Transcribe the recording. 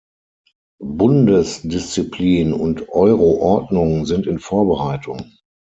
Bundesdisziplin und Euro-Ordnung sind in Vorbereitung.